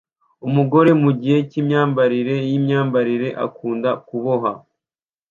Umugore mugihe cyimyambarire yimyambarire akunda kuboha